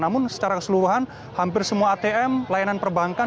namun secara keseluruhan hampir semua atm layanan perbankan